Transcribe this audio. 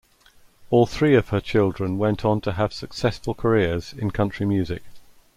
All three of her children went on to have successful careers in country music.